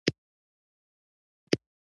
هيڅوک دا حق نه لري چې بل کس ته توهين وکړي.